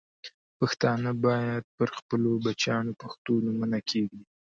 پښتانه باید پر خپلو بچیانو پښتو نومونه کښېږدي.